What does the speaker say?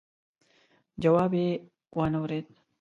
جواب يې وانه ورېد.